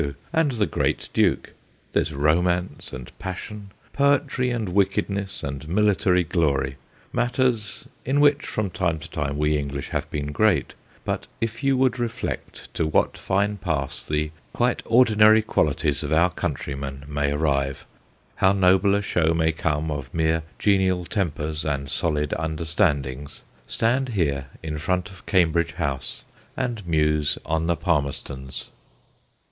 and the great Duke ; there 's romance and passion, poetry and wickedness and military glory, matters in which from time to time we English have been great; but if you A GLIMPSE OF AN UGLY FACE 127 would reflect to what fine pass the quite ordinary qualities of our countrymen may arrive, how noble a show may come of mere genial tempers and solid understandings, stand here in front of Cambridge House and muse on the Palmerstons.'